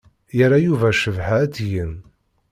Yerra Yuba Cabḥa ad tgen.